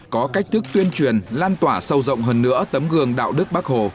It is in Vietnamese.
có cách thức tuyên truyền lan tỏa sâu rộng hơn nữa tấm gương đạo đức bác hồ